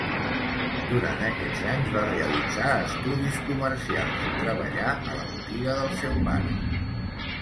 Durant aquests anys va realitzar estudis comercials i treballar a la botiga del seu pare.